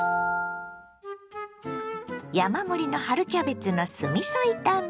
山盛りの春キャベツの酢みそ炒め。